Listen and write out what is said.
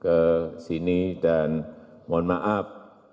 kemudian menuju ke sini dan mohon maaf